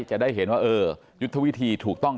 จะได้เห็นว่าเออยุทธวิธีถูกต้อง